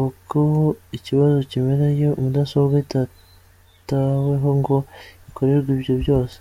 Uko ikibazo kimera iyo mudasobwa ititaweho ngo ikorerwe ibi byose.